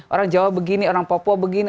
orang jawa begini orang papua begini